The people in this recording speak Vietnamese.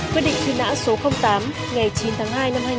quyết định truy nã số tám ngày chín tháng hai năm hai nghìn một mươi